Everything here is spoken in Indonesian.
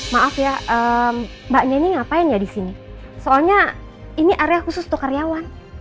maaf ya mbak nyeni ngapain ya disini soalnya ini area khusus tuh karyawan